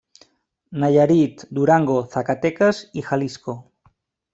Nayarit, Durango, Zacatecas i Jalisco.